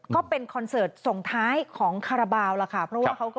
ก็เป็นคอนเสิร์ตส่งท้ายของคาราเบา